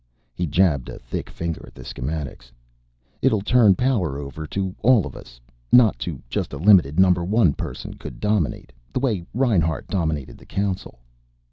He jabbed a thick finger at the schematics. "It'll turn power over to all of us, not to just a limited number one person could dominate the way Reinhart dominated the Council.